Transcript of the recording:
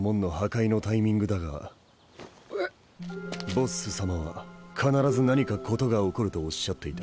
ボッス様は必ず何か事が起こるとおっしゃっていた。